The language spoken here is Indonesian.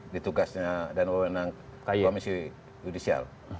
di tugasnya dan pemenang komisi judisial